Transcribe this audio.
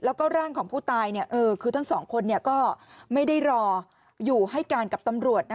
แล้วก็ร่างของผู้ตายคือทั้งสองคนก็ไม่ได้รออยู่ให้การกับตำรวจ